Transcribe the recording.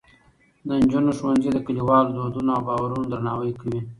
د نجونو ښوونځي د کلیوالو دودونو او باورونو درناوی کوي.